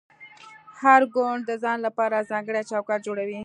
هر ګوند د ځان لپاره ځانګړی چوکاټ جوړوي